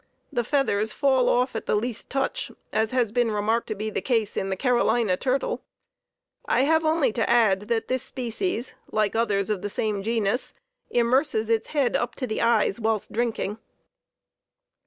The feathers fall off at the least touch, as has been remarked to be the case in the Carolina Turtle. I have only to add that this species, like others of the same genus, immerses its head up to the eyes while drinking.